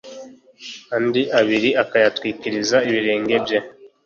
andi abiri akayatwikiriza ibirenge bye